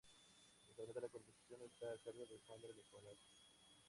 Actualmente, la conducción está a cargo de Sandra Nicolás.